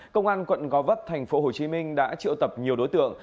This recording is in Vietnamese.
công an quận go vấp thành phố hồ chí minh đã triệu tập nhiều đối tượng